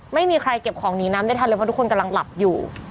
ไม่มีใครเก็บของหนีน้ำได้ทันเลยเพราะทุกคนกำลังหลับอยู่